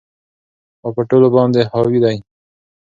او په ټولو باندي حاوي دى